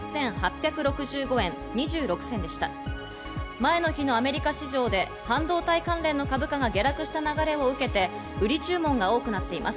前の日のアメリカ市場で、半導体関連の株価が下落した流れを受けて、売り注文が多くなっています。